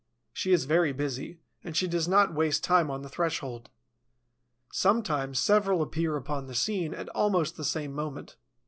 She is very busy, and she does not waste time on the threshold. Sometimes several appear upon the scene at almost the same moment.